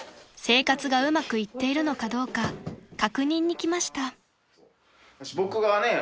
［生活がうまくいっているのかどうか確認に来ました］